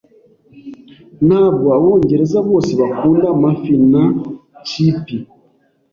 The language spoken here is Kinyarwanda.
Ntabwo Abongereza bose bakunda amafi na chipi.